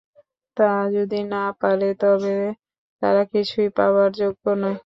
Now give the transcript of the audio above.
তা যদি না পারে, তবে তারা কিছুই পাবার যোগ্য নয়।